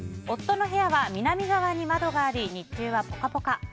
夫の部屋は南側に窓があり日中はポカポカ。